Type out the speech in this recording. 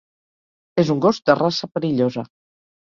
Es un gos de raça perillosa.